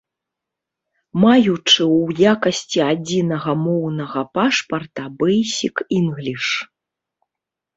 Маючы ў якасці адзінага моўнага пашпарта бэйсік-інгліш.